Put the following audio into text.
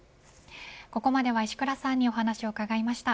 ここまでは石倉さんにお話を伺いました。